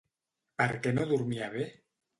Per què no dormia bé?